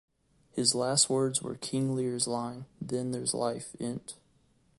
His last words were King Lear's line: Then there's life in't.